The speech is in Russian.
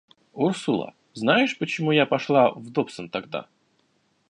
Урсула, знаешь, почему я пошла в Добсон тогда?